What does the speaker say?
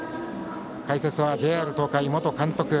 解説はＪＲ東海元監督